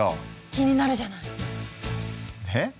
気になるじゃない！え？